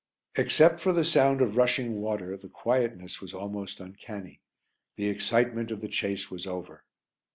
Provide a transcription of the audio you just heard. Except for the sound of rushing water the quietness was almost uncanny the excitement of the chase was over.